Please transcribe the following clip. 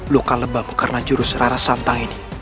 luka lebam karena jurus rara santang ini